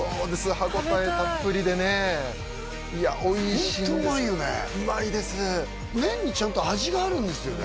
歯応えたっぷりでねホントうまいよねうまいです麺にちゃんと味があるんですよね